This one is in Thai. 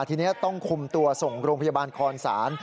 ทีนี้ต้องคุมตัวส่งโรงพยาบาลคอนศาล